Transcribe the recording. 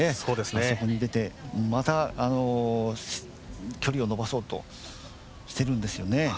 あそこに出て、また距離を伸ばそうとしているんですよね。